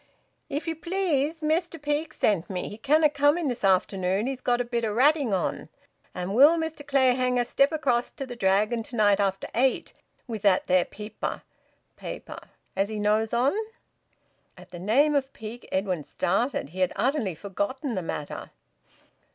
"If ye please, Mester Peake's sent me. He canna come in this afternoon he's got a bit o' ratting on and will Mester Clayhanger step across to th' Dragon to night after eight, with that there peeper [paper] as he knows on?" At the name of Peake, Edwin started. He had utterly forgotten the matter.